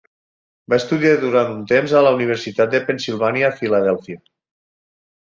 Va estudiar durant un temps a la Universitat de Pennsilvània a Filadèlfia.